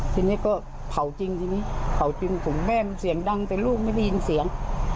ทีนี้ก็เผาจริงทีนี้เผาจริงผมแม่มันเสียงดังแต่ลูกไม่ได้ยินเสียง